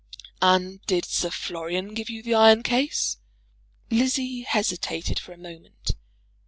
"And did Sir Florian give you the iron case?" Lizzie hesitated for a moment.